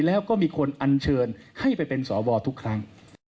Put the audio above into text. แล้วก็มีคนอันเชิญให้ไปเป็นสวทุกครั้ง